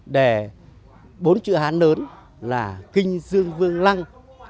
để bốn chữ hán lớn là kinh dương vương lăng